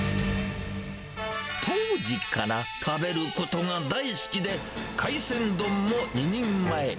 当時から食べることが大好きで、海鮮丼も２人前。